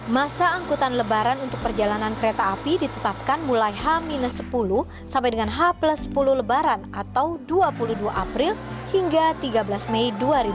masa angkutan lebaran untuk perjalanan kereta api ditetapkan mulai h sepuluh sampai dengan h sepuluh lebaran atau dua puluh dua april hingga tiga belas mei dua ribu dua puluh